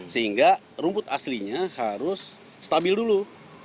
sehingga rumput aslinya harus stabil dulu